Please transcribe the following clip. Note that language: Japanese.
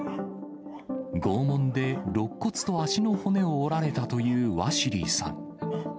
拷問でろっ骨と足の骨を折られたというワシリーさん。